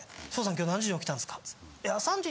今日何時に起きたんですか？